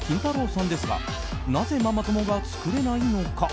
さんですがなぜ、ママ友が作れないのか。